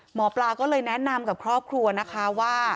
หมอปลาก็เลยแนะนำกับครอบครัวนะคะว่า